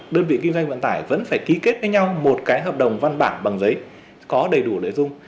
đơn vị kinh doanh vận tải vẫn phải ký kết với nhau một cái hợp đồng văn bản bằng giấy có đầy đủ nội dung